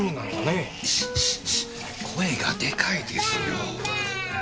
声がでかいですよ。